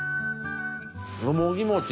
「よもぎもち」